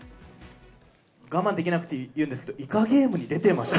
我慢できなくて言うんですけど、イカゲームに出てました？